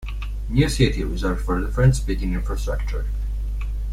New city reserved for the French speaking infrastructure.